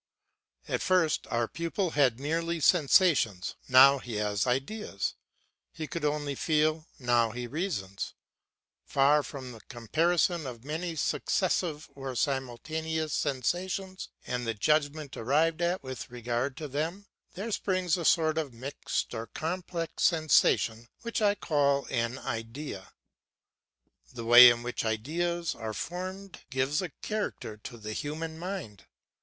At first our pupil had merely sensations, now he has ideas; he could only feel, now he reasons. For from the comparison of many successive or simultaneous sensations and the judgment arrived at with regard to them, there springs a sort of mixed or complex sensation which I call an idea. The way in which ideas are formed gives a character to the human mind.